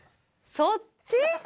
そっち？